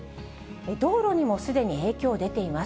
道路にもすでに影響出ています。